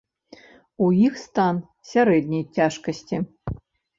У іх стан сярэдняй цяжкасці.